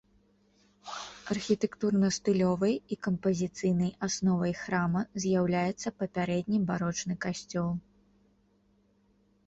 Архітэктурна-стылёвай і кампазіцыйнай асновай храма з'яўляецца папярэдні барочны касцёл.